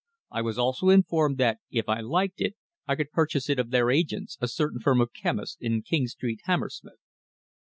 I was also informed that, if I liked it, I could purchase it of their agents, a certain firm of chemists in King Street, Hammersmith.